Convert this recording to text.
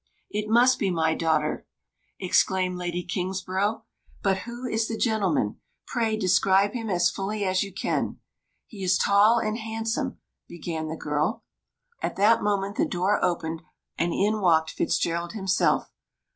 "It must be my daughter!" exclaimed Lady Kingsborough. "But who is the gentleman? Pray describe him as fully as you can." "He is tall and handsome " began the girl. At that moment the door opened, and in walked Fitzgerald himself.